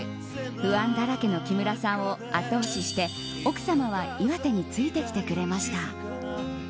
不安だらけの木村さんを後押しして奥様は岩手についてきてくれました。